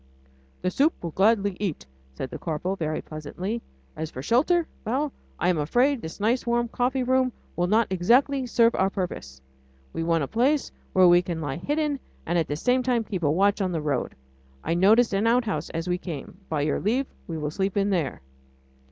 "The soup we'll gladly eat," said the corporal very pleasantly. "As for shelter ... well! I am afraid that this nice warm coffee room will not exactly serve our purpose. We want a place where we can lie hidden, and at the same time keep a watch on the road. I noticed an outhouse as we came. By your leave we will sleep in there."